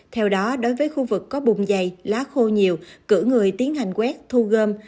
theo đó đối với khu vực có bùm dày lá khô nhiều cử người tiến hành quét thu gom